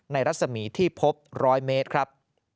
รัศมีที่พบ๑๐๐เมตรครับ